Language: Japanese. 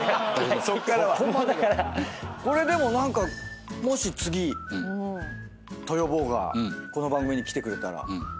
これでももし次豊坊がこの番組に来てくれたら。